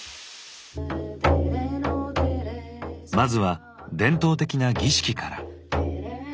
まずは伝統的な儀式から。